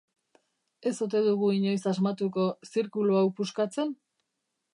Ez ote dugu inoiz asmatuko zirkulu hau puskatzen?